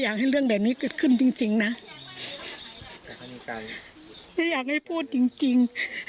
อยากให้เรื่องแบบนี้ก็ขึ้นจริงนะไม่อยากให้พูดจริง